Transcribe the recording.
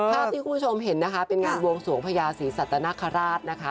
ภาพที่คุณผู้ชมเห็นนะคะเป็นงานบวงสวงพญาศรีสัตนคราชนะคะ